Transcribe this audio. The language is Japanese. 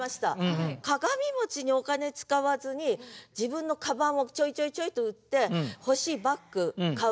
鏡にお金使わずに自分のカバンをちょいちょいちょいと売って欲しいバッグ買う。